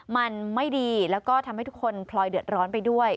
มันไม่ดีแล้วก็ทำให้ทุกคนพลอยเดือดร้อนไปด้วย